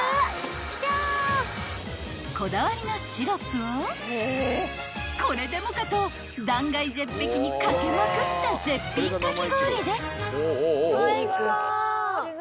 ［こだわりのシロップをこれでもかと断崖絶壁に掛けまくった絶品かき氷です］